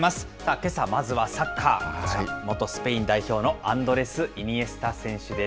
けさまずはサッカー、こちら、元スペイン代表のアンドレス・イニエスタ選手です。